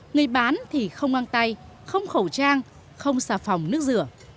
người bán thì không mang tay không khẩu trang không xà phòng nước rửa